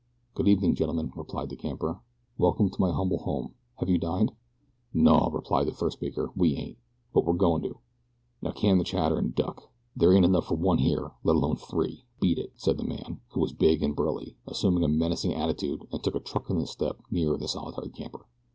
"Good evening, gentlemen," replied the camper, "welcome to my humble home. Have you dined?" "Naw," replied the first speaker, "we ain't; but we're goin' to. Now can the chatter an' duck. There ain't enough fer one here, let alone three. Beat it!" and the man, who was big and burly, assumed a menacing attitude and took a truculent step nearer the solitary camper.